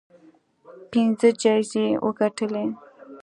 پنځه جایزې وګټلې